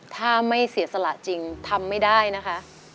ถ้าไม่เสียสละจริงทำไม่ได้นะคะ